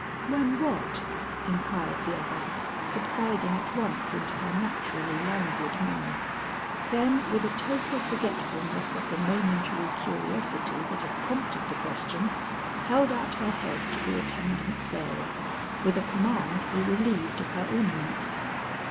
"When what?" inquired the other, subsiding at once into her naturally languid manner. Then with a total forgetfulness of the momentary curiosity that had prompted the question, held out her head to the attendant Sarah, with a command to be relieved of her ornaments.